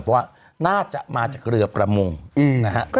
เพราะว่าน่าจะมาจากเรือประมงนะครับ